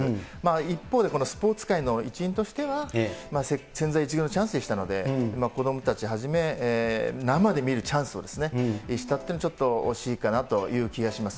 一方でスポーツ界の一員としては、千載一遇のチャンスでしたので、子どもたちはじめ、生で見るチャンスを失ったのはちょっと惜しいかなと思います。